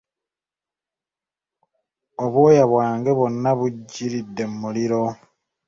Obwoya bwange bwonna bujjiridde mu muliro.